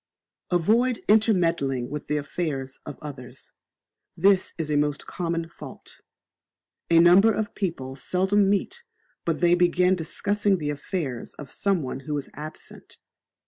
Avoid intermeddling with the affairs of others. This is a most common fault. A number of people seldom meet but they begin discussing the affairs of some one who is absent.